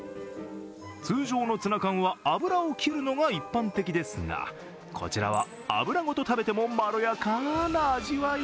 通常のツナ缶は油を切るのが一般的ですが、こちらは油ごと食べてもまろやかな味わい。